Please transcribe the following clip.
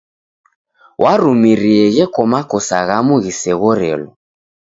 Warumirie gheko makosa ghamu ghiseghorelo.